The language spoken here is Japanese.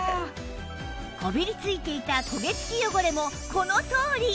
こびり付いていた焦げ付き汚れもこの通り！